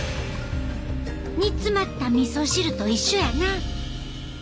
煮詰まったみそ汁と一緒やな。